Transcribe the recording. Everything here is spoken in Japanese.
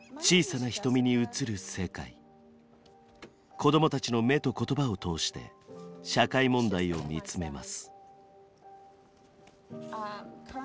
子どもたちの目と言葉を通して社会問題を見つめます。